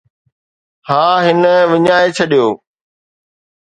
ها، هن وڃائي ڇڏيو